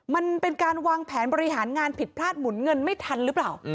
มันเป็นการวางแผนบริหารงานผิดพลาดหมุนเงินไม่ทันหรือเปล่า